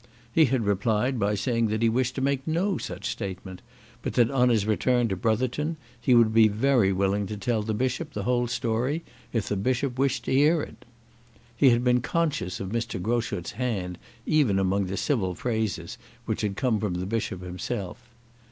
He had replied by saying that he wished to make no such statement, but that on his return to Brotherton he would be very willing to tell the Bishop the whole story if the Bishop wished to hear it. He had been conscious of Mr. Groschut's hand even among the civil phrases which had come from the Bishop himself.